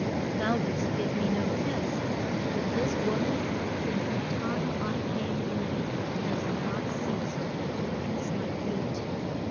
Thou didst give me no kiss, but this wo man, since the time I came in, has not ceased to kiss my feet.